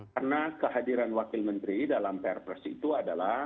karena kehadiran wakil menteri dalam prps itu adalah